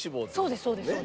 そうですそうです。